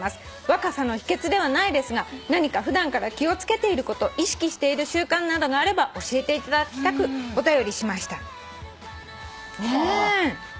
若さの秘訣ではないですが何か普段から気を付けていること意識している習慣などがあれば教えていただきたくお便りしました」ねえ。